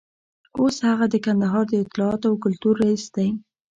اوس هغه د کندهار د اطلاعاتو او کلتور رییس دی.